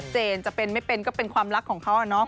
จะเป็นไม่เป็นก็เป็นความรักของเขาอะเนาะ